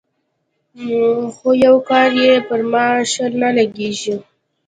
خو يو کار يې پر ما ښه نه لګېږي.